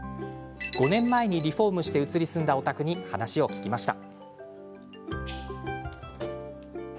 ５年前にリフォームして移り住んだお宅に話を聞きました。